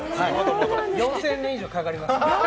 ４０００年以上かかりますから。